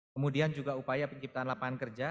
kemudian juga upaya penciptaan lapangan kerja